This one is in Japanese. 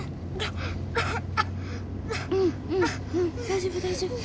大丈夫大丈夫。